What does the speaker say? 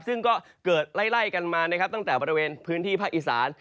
ซึ่งก็เกิดไล่กันมานะครับตั้งแต่บริเวณพื้นที่ภาคอีสาน